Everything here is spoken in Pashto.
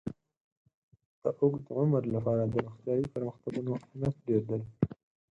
د اوږد عمر لپاره د روغتیايي پرمختګونو اهمیت ډېر دی.